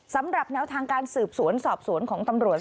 สำหรับแนวทางการสืบสวนสอบสวนของตำรวจ